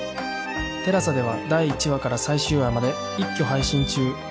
ＴＥＬＡＳＡ では第１話から最終話まで一挙配信中